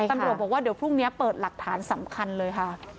ตำรวจบอกว่าเดี๋ยวพรุ่งนี้เปิดหลักฐานสำคัญเลยค่ะ